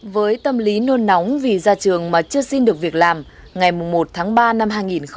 với tâm lý nôn nóng vì ra trường mà chưa xin được việc làm ngày một tháng ba năm hai nghìn hai mươi